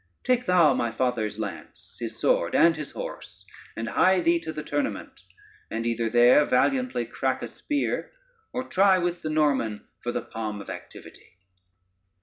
Take thou my father's lance, his sword, and his horse, and hie thee to the tournament, and either there valiantly crack a spear, or try with the Norman for the palm of activity."